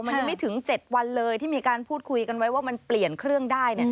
มันยังไม่ถึง๗วันเลยที่มีการพูดคุยกันไว้ว่ามันเปลี่ยนเครื่องได้